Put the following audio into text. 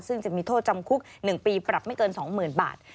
ซึ่งจะมีโทษจำคุก๑ปีปรับไม่เกิน๒๐๐๐บาท